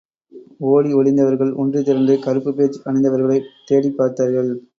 ஒடி ஒளிந்தவர்கள், ஒன்றுதிரண்டு, கறுப்பு பேட்ஜ் அணிந்தவர்களை தேடிப் பார்த்தார்கள்.